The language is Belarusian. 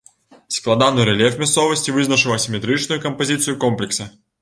Складаны рэльеф мясцовасці вызначыў асіметрычную кампазіцыю комплекса.